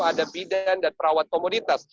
ada bidan dan perawat komunitas